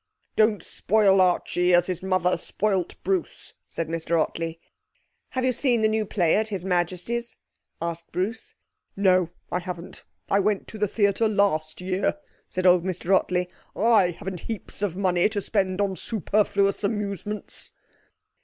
'Don't spoil Archie as his mother spoilt Bruce,' said Mr. Ottley. 'Have you seen the new play at His Majesty's?' asked Bruce. 'No, I haven't. I went to the theatre last year,' said old Mr Ottley. 'I haven't heaps of money to spend on superfluous amusements.'